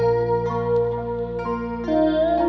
ทำไมเงียบไปยักษ์นานอย่างเดียว